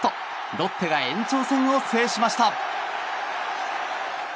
ロッテが延長戦を制しました。